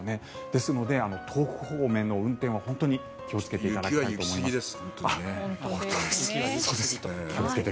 ですので、東北方面の運転は本当に気をつけていただきたいと思います。